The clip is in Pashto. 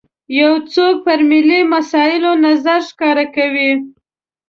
یو څوک پر ملي مسایلو نظر ښکاره کوي.